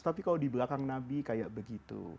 tapi kalau di belakang nabi kayak begitu